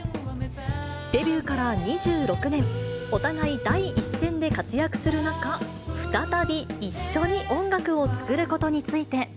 デビューから２６年、お互い第一線で活躍する中、再び一緒に音楽を作ることについて。